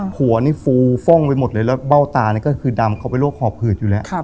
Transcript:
หัวนี่ฟูฟ่องไปหมดเลยแล้วเบ้าตานี่ก็คือดำเขาเป็นโรคหอบหืดอยู่แล้ว